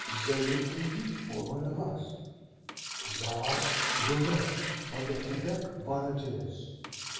They will take thee for one of us. Thou art Brunet of the Quebec Volunteers.